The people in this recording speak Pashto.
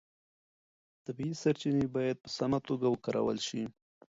طبیعي سرچینې باید په سمه توګه وکارول شي.